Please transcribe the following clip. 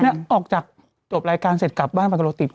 นี่ออกจากจบรายการเสร็จกลับบ้านไปกับรถติด